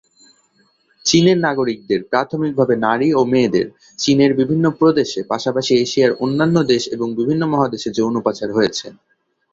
চীনের নাগরিকদের, প্রাথমিকভাবে নারী ও মেয়েদের, চীনের বিভিন্ন প্রদেশে, পাশাপাশি এশিয়ার অন্যান্য দেশ এবং বিভিন্ন মহাদেশে যৌন পাচার হয়েছে।